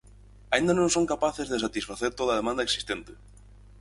Aínda non son capaces de satisfacer toda a demanda existente.